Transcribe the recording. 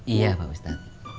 iya pak ustad